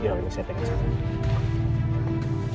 tidak tidak saya tidak mau jawab